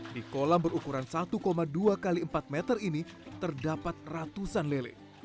di kolam berukuran satu dua x empat meter ini terdapat ratusan lele